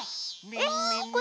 えっ？